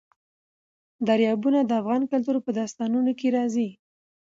دریابونه د افغان کلتور په داستانونو کې راځي.